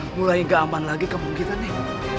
mulai gak aman lagi kampung kita nih